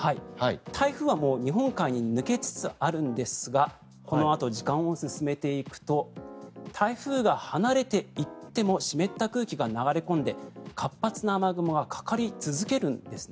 台風は日本海に抜けつつあるんですがこのあと時間を進めていくと台風が離れていっても湿った空気が流れ込んで活発な雨雲がかかり続けるんです。